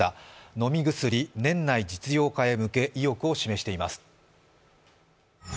飲み薬、年内実用化に向け意欲を示しています。